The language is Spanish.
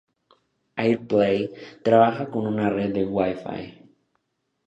AirPlay trabaja con una red Wi-Fi.